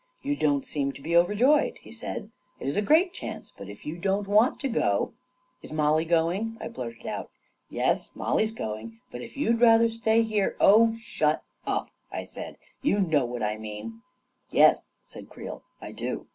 " You don't seem to be overjoyed," he said. •'It's a great chance, but if you don't want to go ..." Is Mollie going? " I blurted out. 11 Yes, Mollie's going — but if you'd rather stay on here ..." 44 Oh, shut up !" I said. <4 You know what I mean 1 " m 44 Yes," said Creel, 44 1 do.